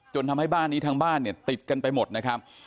ทำให้บ้านนี้ทั้งบ้านเนี่ยติดกันไปหมดนะครับ